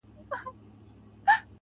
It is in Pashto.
يه پر ما گرانه ته مي مه هېروه.